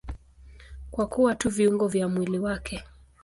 Kwa kuwa tu viungo vya mwili wake.